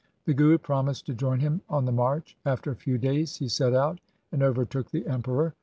The Guru promised to join him on the march. After a few days he set out and overtook the Emperor.